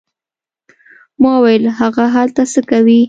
ما وویل: هغه هلته څه کوي؟